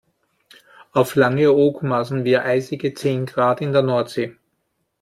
Auf Langeoog maßen wir eisige zehn Grad in der Nordsee.